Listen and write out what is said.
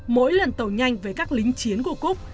mỗi lần tàu nhanh về các lính chiến của cúc